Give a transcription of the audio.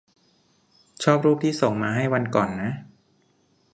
ชอบรูปที่ส่งมาให้วันก่อนนะ